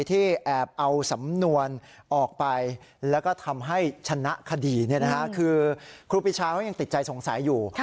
ที่แอบเอาสำนวนออกไปแล้วก็ทำให้ชนะคดีเนี่ยนะฮะคือครูสื่อสนใจสงสัยอยู่